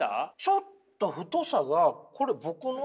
ちょっと太さがこれ僕の。